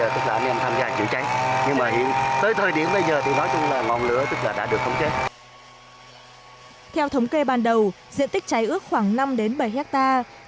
theo thống kê ban đầu diện tích cháy ước khoảng năm bảy hectare